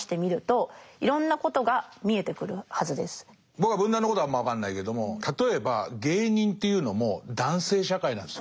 僕は文壇のことはあんま分かんないけども例えば芸人っていうのも男性社会なんですよ。